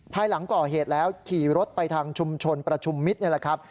ภายหลังก่อเหตุแล้วขี่รถไปทางชุมชนประชุมมิตรนี่แหละครับ